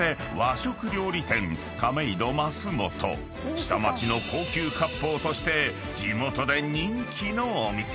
［下町の高級割烹として地元で人気のお店］